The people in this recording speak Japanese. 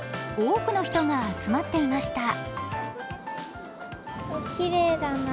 多くの人が集まっていました。